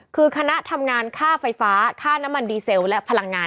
คือคณะทำงานค่าไฟฟ้าค่าน้ำมันดีเซลและพลังงาน